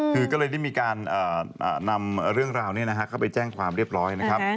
คือก็เลยได้มีการนำเรื่องราวนี้เข้าไปแจ้งความเรียบร้อยนะครับ